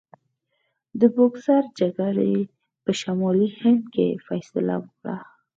د بوکسر جګړې په شمالي هند کې فیصله وکړه.